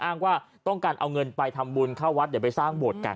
อ้างว่าต้องการเอาเงินไปทำบุญเข้าวัดเดี๋ยวไปสร้างโบสถ์กัน